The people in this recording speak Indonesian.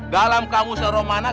dalam kamusnya romana